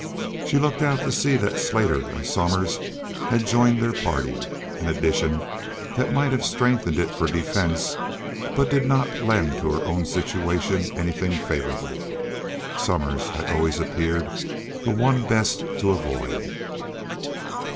She looked out to see that Slater and Somers had joined their party an addition that might have strengthened it for defense, but did not lend her own situation anything favorable. Somers had always appeared the one best to avoid.